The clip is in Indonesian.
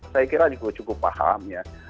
saya kira juga cukup paham ya